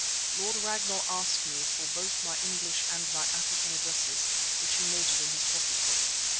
Lord Ragnall asked me for both my English and my African addresses, which he noted in his pocket book.